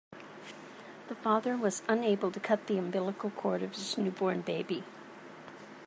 The father was unable to cut the umbilical cord of his newborn baby.